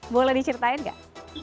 boleh diceritain gak